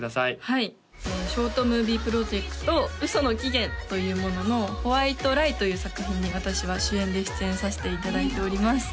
はいショートムービープロジェクト「嘘の起源」というものの「ホワイトライ」という作品に私は主演で出演させていただいております